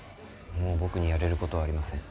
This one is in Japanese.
もう僕にやれることはありません